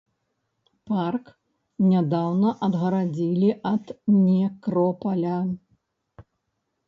Парк нядаўна адгарадзілі ад некропаля.